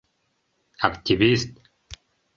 Активист!